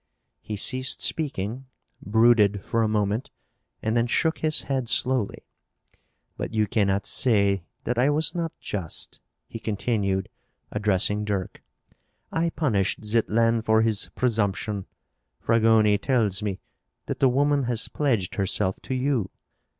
He ceased speaking, brooded for a moment, and then shook his head slowly. "But you cannot say that I was not just," he continued, addressing Dirk. "I punished Zitlan for his presumption. Fragoni tells me that the woman has pledged herself to you.